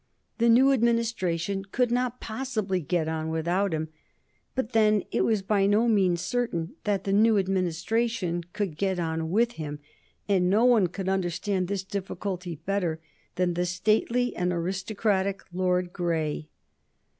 The new Administration could not possibly get on without him. But then it was by no means certain that the new Administration could get on with him, and no one could understand this difficulty better than the stately and aristocratic Lord Grey.